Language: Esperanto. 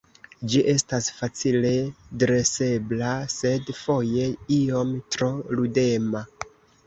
Ĝi estas facile dresebla, sed foje iom tro ludema.